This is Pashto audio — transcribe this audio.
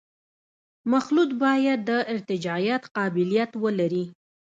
مخلوط باید د ارتجاعیت قابلیت ولري